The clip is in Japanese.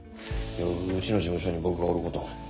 うちの事務所に僕がおること。